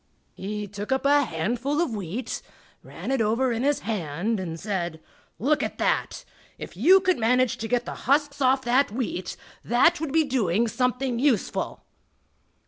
He took up a handful of wheat, ran it over in his hand and said: "Look at that! If you could manage to get the husks off that wheat, that would be doing something useful!"